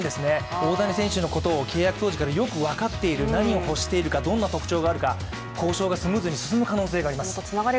大谷選手のことを契約当時からよく分かっている、何を欲しているかどんな特徴があるか、交渉がスムーズに進む可能性があります。